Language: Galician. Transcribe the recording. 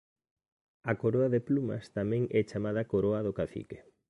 A coroa de plumas tamén é chamada Coroa do Cacique.